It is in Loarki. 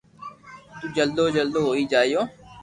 تو جلدو جلدو ھوئي جائيو